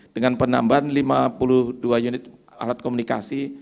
dengan penambahan lima puluh dua unit alat komunikasi